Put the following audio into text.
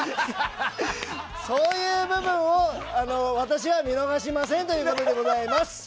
そういう部分を私は見逃しませんというところでございます。